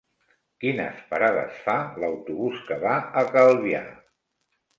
Quines parades fa l'autobús que va a Calvià?